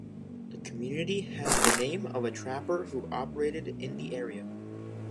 The community has the name of a trapper who operated in the area.